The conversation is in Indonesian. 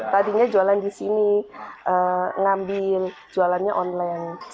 tadinya jualan disini ngambil jualannya online